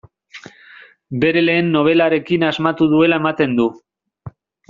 Bere lehen nobelarekin asmatu duela ematen du.